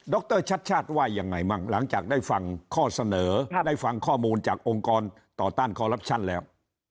รชัดชาติว่ายังไงมั่งหลังจากได้ฟังข้อเสนอได้ฟังข้อมูลจากองค์กรต่อต้านคอลลับชั่นแล้ว